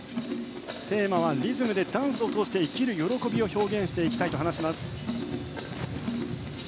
テーマはリズムでダンスを通して生きる喜びを表現していきたいと話します。